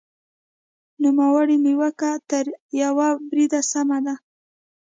نوموړې نیوکه تر یوه بریده سمه ده.